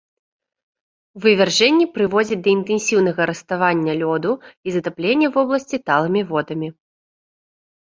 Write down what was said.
Вывяржэнні прыводзяць да інтэнсіўнага раставання лёду і затаплення вобласці талымі водамі.